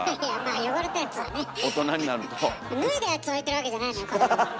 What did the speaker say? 脱いだやつを置いてるわけじゃないのよ子供は。